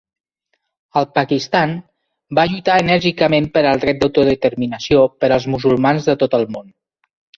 El Pakistan va lluitar enèrgicament per al dret d'autodeterminació per als musulmans de tot el món.